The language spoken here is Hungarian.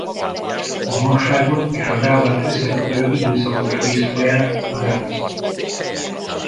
A Hanságot és a Rábát összekötő időszakos vízfolyás a Rábca.